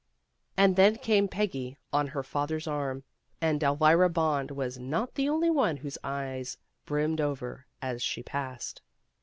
And then came Peggy on her father's arm, and Elvira Bond was not the only one whose eyes brimmed over as she passed.